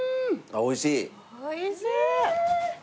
おいしい！